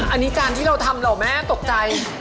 อันนี้จานที่เราทำแล้วแม่ตกใจ